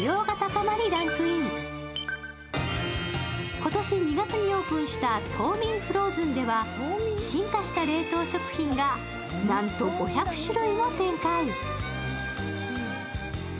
今年２月にオープンしたトーミンフローズンでは進化した冷凍食品がなんと５００種類も展開。